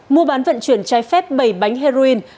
mua bán vận chuyển trái phép bảy bánh heroin